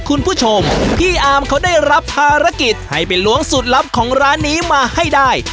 คุณผู้ชมพี่อาร์มเขาได้รับภารกิจให้ไปล้วงสูตรลับของร้านนี้มาให้ได้